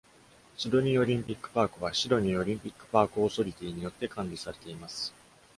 シドニーオリンピックパークは、Sydney Olympic Park Authority によって管理されています。